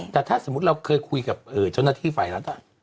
แต่ถ้าสมมติเราเคยคุยกับชนธิฝัยรัฐอ่ะ